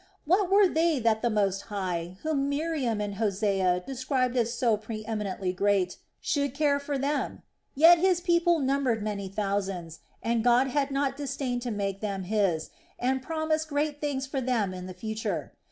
What were they that the Most High, whom Miriam and Hosea described as so pre eminently great, should care for them? Yet his people numbered many thousands, and God had not disdained to make them His, and promise great things for them in the future.